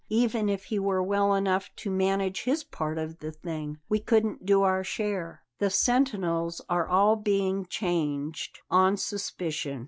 Even if he were well enough to manage his part of the thing, we couldn't do our share. The sentinels are all being changed, on suspicion.